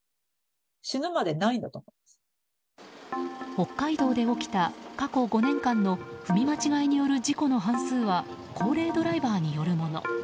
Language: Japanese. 北海道で起きた過去５年間の踏み間違いによる事故の半数は高齢ドライバーによるもの。